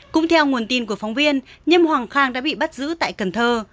cũng theo nguồn tin của phóng viên nhiêm hoàng khang đã bị bắt giữ tại cần thơ